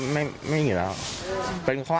แล้วมีคนที่ตายเว้นมาโปรดเท้าน่ะ